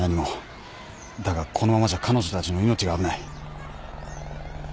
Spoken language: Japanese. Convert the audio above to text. だがこのままじゃ彼女たちの命が危ない。